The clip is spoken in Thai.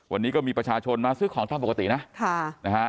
วันนี้ก็มีประชาชนมาซื้อของตามปกตินะค่ะนะฮะ